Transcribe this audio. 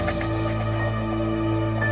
aku sudah berhenti